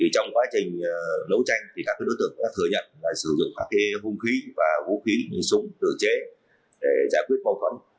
trong quá trình đấu tranh các đối tượng đã thừa nhận sử dụng các hương khí và vũ khí như súng tự chế để giải quyết bầu khẩn